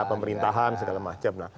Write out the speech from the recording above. pemerintahan segala macam